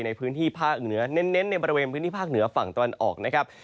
ในพื้นที่ภาคเหนือเน้นในบริเวณพื้นที่ภาคเหนือฝั่งตะวันออกนะครับ